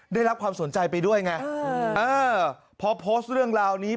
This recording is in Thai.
ได้รับความสนใจไปด้วยไงเออพอโพสต์เรื่องราวนี้